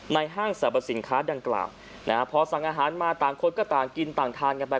ห้างสรรพสินค้าดังกล่าวนะฮะพอสั่งอาหารมาต่างคนก็ต่างกินต่างทานกันไป